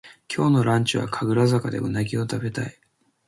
今日のランチは神楽坂でうなぎをたべたい